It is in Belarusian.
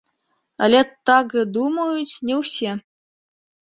Але так думаюць не ўсе.